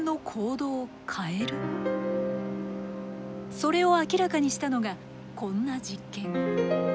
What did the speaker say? それを明らかにしたのがこんな実験。